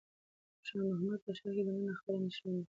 شاه محمود په ښار کې دننه د خطر لپاره اندېښمن و.